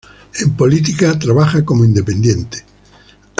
En política trabaja como independiente.